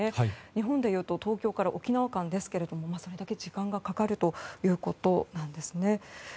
日本でいうと東京から沖縄間ですけれどもそれだけ時間がかかるということなんですね。